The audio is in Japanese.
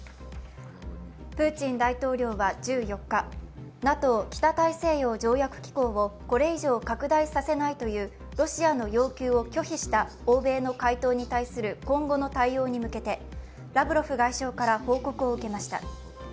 プーチン大統領は１４日、ＮＡＴＯ＝北大西洋条約機構をこれ以上拡大させないというロシアの要求を拒否した欧米の回答に対する今後の対応に向けて、ラブロフ外相から報告を受けました。